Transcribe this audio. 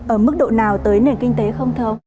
ở mức độ nào tới nền kinh tế không thơ